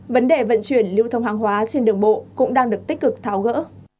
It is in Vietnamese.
vấn đề vận chuyển lưu thông hàng hóa trên đường bộ cũng đang được tích cực tháo gỡ